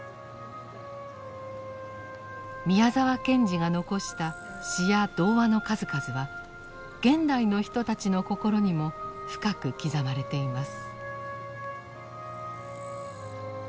宮沢賢治が残した詩や童話の数々は現代の人たちの心にも深く刻まれています。